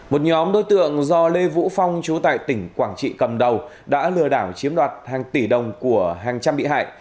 một nhóm đối tượng do lê vũ phong chú tại tỉnh quảng trị cầm đầu đã lừa đảo chiếm đoạt hàng tỷ đồng của hàng trăm bị hại